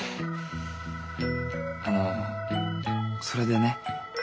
あのそれでね。